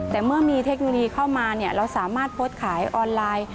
แต่เมื่อมีเทคโนโลยีเข้ามาเราสามารถโพสต์ขายออนไลน์